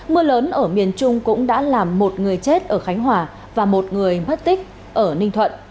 mưa lớn ở miền trung cũng đã làm một người chết ở khánh hòa và một người mất tích ở ninh thuận